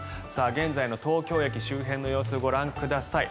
現在の東京駅周辺の様子をご覧ください。